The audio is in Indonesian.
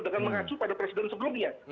dengan mengacu pada presiden sebelumnya